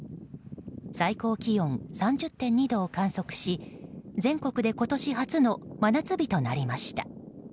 最高気温３０．２度を観測し全国で今年初の真夏日となりました。